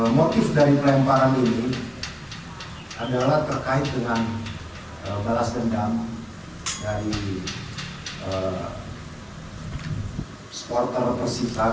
motif dari pelemparan ini adalah terkait dengan balas dendam dari supporter persita